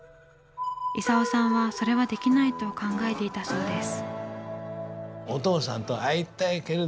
功さんはそれはできないと考えていたそうです。